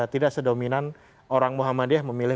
tidak sedominan orang muhammadiyah memilih